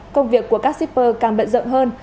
công việc của các shipper càng bận rợn hơn